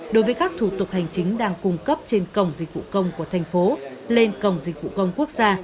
đối với các thủ tục hành chính đang cung cấp trên cổng dịch vụ công của thành phố lên cổng dịch vụ công quốc gia